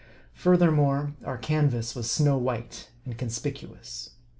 Furthermore, our canvas was snow white and conspicuous.